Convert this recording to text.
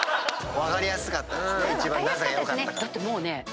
分かりやすかったですね。